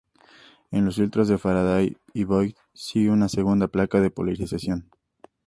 En los filtros de Faraday y Voigt, sigue una segunda placa de polarización.